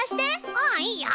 うんいいよ。